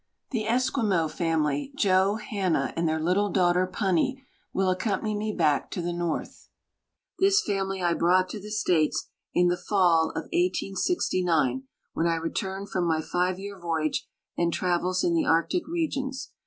The Esquimaux family, Joe, Hannah, and their little daughter Punny, will accompan}'' me back to the north. This family I brought to the States in the fall of 1869, when I returned from my five year vo5'age and travels in the Arctic regions.